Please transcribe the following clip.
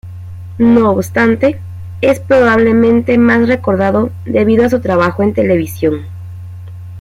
No obstante, es probablemente más recordado debido a su trabajo en televisión.